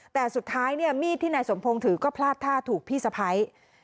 แต่สุดท้ายเนี่ยมีดที่นายสมพงศ์ถือก็พลาดท่าถูกพี่สะพ้าย